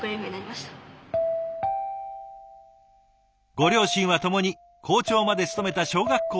ご両親はともに校長まで務めた小学校の教員。